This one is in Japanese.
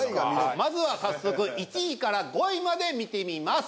まずは早速１位から５位まで見てみます。